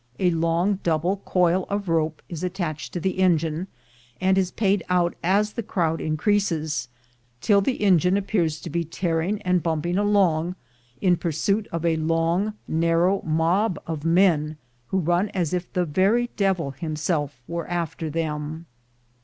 A long double coil of rope is attached to the engine, and is paid out as the crowd increases, till the engine appears to be tearing and bumping along in pursuit of a long narrow mob of men, who run as if the very devil himself were after them.